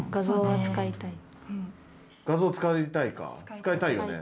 使いたいよね